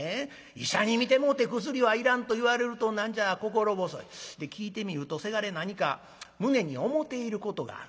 医者に診てもうて薬はいらんと言われると何じゃ心細い。で聞いてみるとせがれ何か胸に思ていることがある。